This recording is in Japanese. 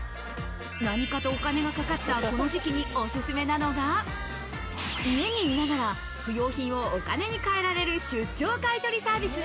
何かとお金がかかったこの時期におすすめなのが、家にいながら不用品をお金に換えられる出張買取サービス。